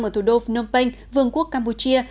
ở thủ đô phnom penh vương quốc campuchia